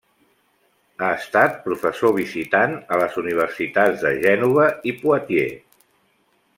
Ha estat professor visitant a les universitats de Gènova i Poitiers.